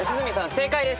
正解です。